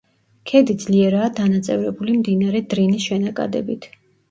ქედი ძლიერაა დანაწევრებული მდინარე დრინის შენაკადებით.